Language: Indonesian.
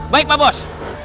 baik pak bos